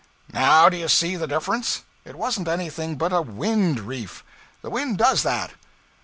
'Now don't you see the difference? It wasn't anything but a _wind _reef. The wind does that.'